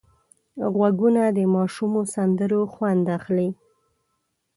غوږونه د ماشومو سندرو خوند اخلي